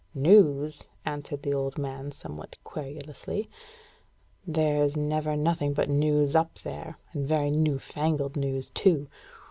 "News!" answered the old man, somewhat querulously. "There's never nothing but news up there, and very new fangled news, too.